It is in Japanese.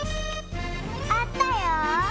あったよ。